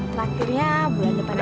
traktirnya bulan depannya